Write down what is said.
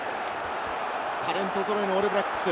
タレント揃いのオールブラックス。